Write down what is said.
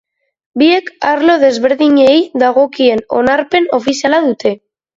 Biek arlo desberdinei dagokien onarpen ofiziala dute.